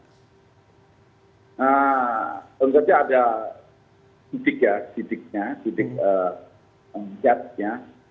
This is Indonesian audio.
nah penjajah ada titik ya titiknya titik kebijaknya